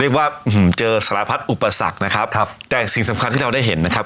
ว่าเจอสารพัดอุปสรรคนะครับครับแต่สิ่งสำคัญที่เราได้เห็นนะครับ